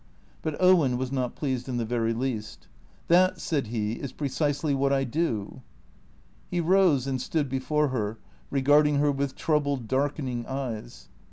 But Owen was not pleased in the very least. " That," said he, " is precisely what I do." He rose and stood before her, regarding her with troubled, darkening eyes.